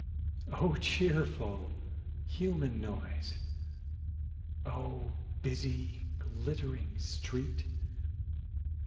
O cheerful human noise, O busy glittering street!